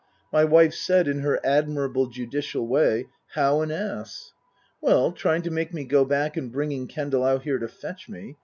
My wife said, in her admirable, judicial way, " How an ass ?"" Well trying to make me go back and bringing Kendal out here to fetch me.